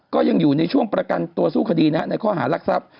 ก็ยังอยู่ในช่วงประกันตัวสู้คดีในข้อหารักทรัพย์